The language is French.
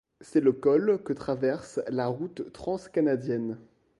C'est le col que traverse la route Transcanadienne.